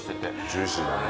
ジューシーだね。